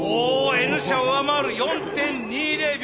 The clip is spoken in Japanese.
Ｎ社上回る４．２０秒。